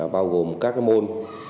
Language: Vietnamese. bao gồm các môn